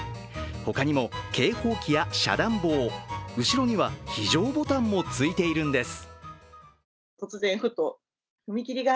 他にも警報器や遮断棒、後ろには非常ボタンもついているんです。